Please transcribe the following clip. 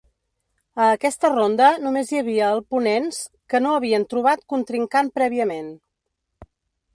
A aquesta ronda només hi havia el ponents que no havien trobat contrincant prèviament.